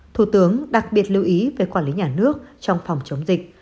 thủ tướng đặc biệt lưu ý về quản lý nhà nước trong phòng chống dịch